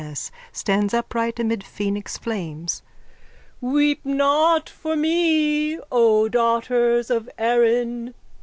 S. stands upright amid phoenix flames.)_ Weep not for me, O daughters of Erin.